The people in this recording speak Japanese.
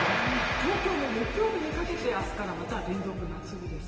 東京も木曜日にかけて明日からまた連続夏日です。